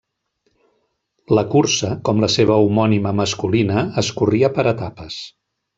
La cursa com la seva homònima masculina, es corria per etapes.